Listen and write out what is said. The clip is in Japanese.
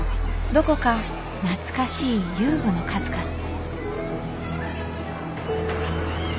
どこか懐かしい遊具の数々。